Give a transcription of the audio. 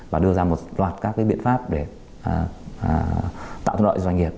và đưa ra một loạt các biện pháp để tạo thông đoạn cho doanh nghiệp